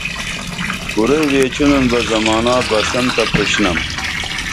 کُرئی ویچینُن بہ زمانا بسن تہ پُشنم